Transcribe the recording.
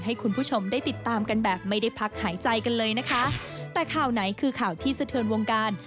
ให้คุณผู้ชมได้ติดตามกันแบบไม่ได้พักหายใจกันเลยนะคะแต่ข่าวไหนคือข่าวที่สะเทินวงการ